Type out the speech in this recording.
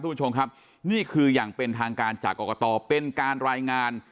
คุณผู้ชมครับนี่คืออย่างเป็นทางการจากกรกตเป็นการรายงาน